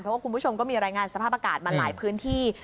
เพราะว่าคุณผู้ชมก็มีรายงานสภาพอากาศมาหลายพื้นที่